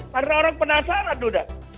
karena orang penasaran tuh dah